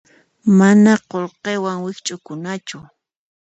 Mana qullqiwan wikch'ukunachu.